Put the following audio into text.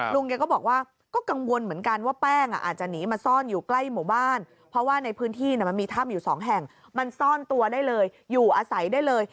ลุงแกก็บอกว่าก็กังวลเหมือนกันว่าแป้งอาจจะหนีมาซ่อนอยู่ใกล้หมู่บ้านเพราะว่าในพื้นที่มันมีถ้ำอยู่สองแห่งมันซ่อนตัวได้เลยอยู่อาศัยได้เลย